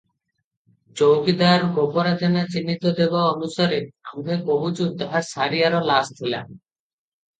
ଚୌକିଦାର ଗୋବରା ଜେନା ଚିହ୍ନିତ ଦେବା ଅନୁସାରେ ଆମ୍ଭେ କହୁଛୁ ତାହା ସାରିଆର ଲାସ୍ ଥିଲା ।